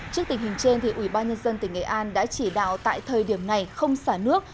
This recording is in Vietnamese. trước tình hình trên ubnd tỉnh nghệ an đã chỉ đạo tại thời điểm này không xả nước